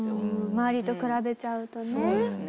周りと比べちゃうとね。